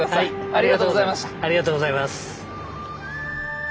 ありがとうございます。